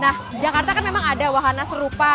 nah jakarta kan memang ada wahana serupa